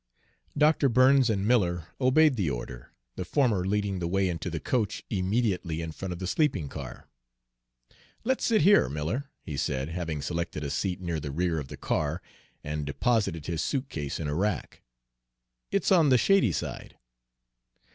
Dr. Burns and Miller obeyed the order, the former leading the way into the coach immediately in front of the sleeping car. "Let's sit here, Miller," he said, having selected a seat near the rear of the car and deposited his suitcase in a rack. "It's on the shady side."